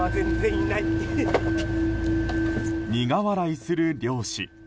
苦笑いする漁師。